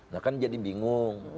nah kan jadi bingung